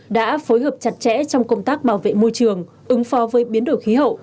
đã phối hợp chặt chẽ trong công tác bảo vệ môi trường ứng phó với biến đổi khí hậu